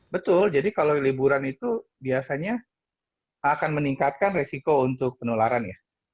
betul jadi kalau liburan itu biasanya akan meningkatkan resiko untuk penularan ya